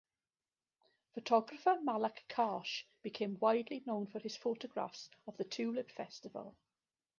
Photographer Malak Karsh became widely known for his photographs of the Tulip Festival.